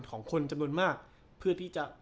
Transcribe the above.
ของคนจำนวนมากเพื่อที่จะ